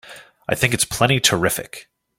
I think it's plenty terrific!